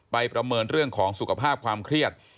ประเมินเรื่องของสุขภาพความเครียด